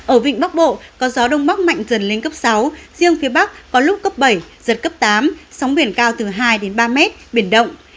ở vịnh bắc bộ có gió đông bắc mạnh dần lên cấp sáu riêng phía bắc có lúc cấp bảy giật cấp tám sóng biển cao từ hai ba mét biển động